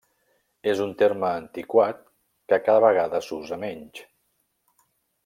És un terme antiquat que cada vegada s'usa menys.